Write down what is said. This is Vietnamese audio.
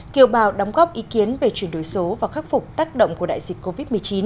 kiều bào đóng góp ý kiến về chuyển đổi số và khắc phục tác động của đại dịch covid một mươi chín